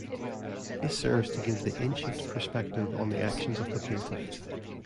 This serves to give the "ancient" perspective on the actions of the plaintiff.